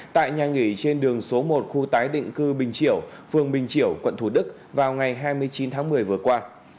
tại nhà nghỉ trên đường số một khu tái định cư bình triểu phường bình triểu quận thủ đức vào ngày hai mươi chín tháng một mươi vừa qua